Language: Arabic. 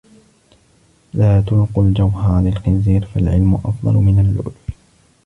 لَا تُلْقُوا الْجَوْهَرَ لِلْخِنْزِيرِ فَالْعِلْمُ أَفْضَلُ مِنْ اللُّؤْلُؤِ